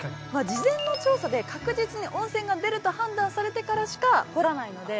事前の調査で確実に温泉が出ると判断されてからしか掘らないので。